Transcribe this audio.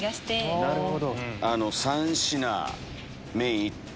なるほど。